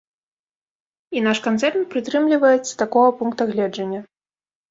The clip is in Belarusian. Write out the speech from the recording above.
І наш канцэрн прытрымліваецца такога пункта гледжання.